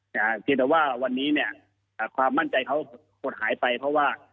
แต่เพียงแต่ว่าวันนี้เนี่ยความมั่นใจเขาหดหายไปเพราะว่า